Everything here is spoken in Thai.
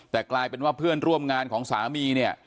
แต่กลายเป็นเพื่อนร่วมงานของสามี